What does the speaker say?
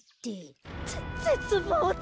ぜぜつぼうだ！